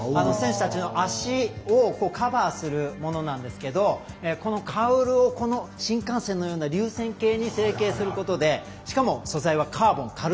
選手たちの足をカバーするものなんですけどこのカウルを新幹線のような流線型に成形することで、しかもカーボン。